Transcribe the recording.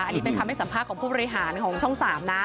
อันนี้เป็นคำให้สัมภาษณ์ของผู้บริหารของช่อง๓นะ